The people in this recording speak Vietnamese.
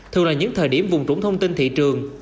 thường là những thời điểm vùng trũng thông tin thị trường